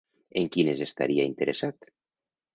En quines estaria interessat?